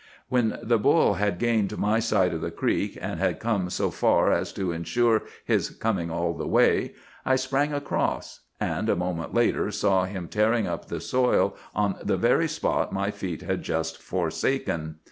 "When the bull had gained my side of the creek, and had come so far as to insure his coming all the way, I sprang across; and a moment later saw him tearing up the soil on the very spot my feet had just forsaken.